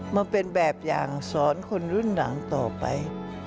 มาเป็นแบบอย่างสอนคนรุ่นหลังต่อไป